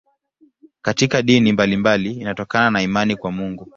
Katika dini mbalimbali inatokana na imani kwa Mungu.